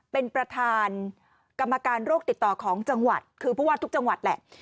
เป็นประธานกรรมการโรคติดต่อของจังหวัดคือผู้ว่าทุกจังหวัดแหละ